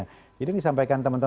jadi ini disampaikan teman teman